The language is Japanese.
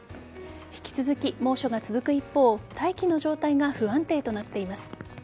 引き続き猛暑が続く一方大気の状態が不安定となっています。